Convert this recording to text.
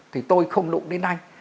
thì tôi không đụng đến anh